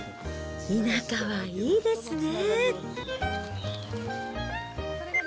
田舎はいいですね。